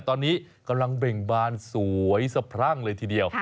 ตอนนี้กำลังเบ่งบานสวยสะพรั่งเลยทีเดียว